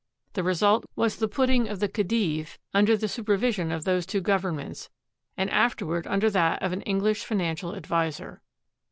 The result was the putting of the Khedive under the supervi sion of those two governments, and afterward under that of an English financial adviser.